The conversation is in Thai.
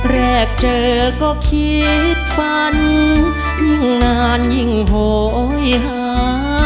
แรกเจอก็คิดฝันยิ่งนานยิ่งโหยหา